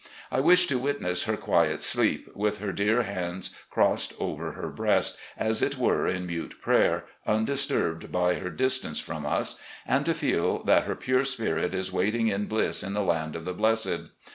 I wish to witness her quiet sleep, with her dear hands crossed over her breast, as it were in mute prayer, tmdistmbed by her distance from us, and to feel that her pure spirit is waiting in bliss in the land of the blessed.